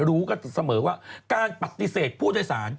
รู้กันเสมอว่าการปฏิเสธผู้โดยสาร